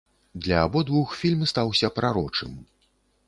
Для абодвух фільм стаўся прарочым.